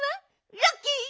ラッキー！